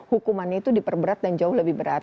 hukumannya itu diperberat dan jauh lebih berat